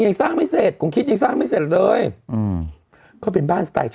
อันนี้ที่ไหนที่